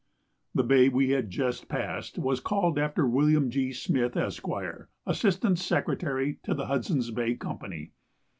The bay we had just passed was called after William G. Smith, Esq., Assistant Secretary to the Hudson's Bay Company.